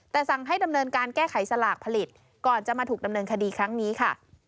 แต่สั่งให้ดำเนินการแก้ไขสลากผลิตก่อนจะมาถูกดำเนินคดีครั้งนี้ค่ะ